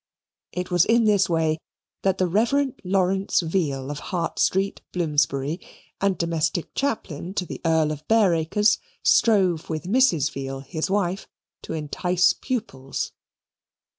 It was in this way that the Reverend Lawrence Veal of Hart Street, Bloomsbury, and domestic Chaplain to the Earl of Bareacres, strove with Mrs. Veal his wife to entice pupils.